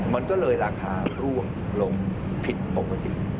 มันก็เลยราคาร่วงลงผิดปกติ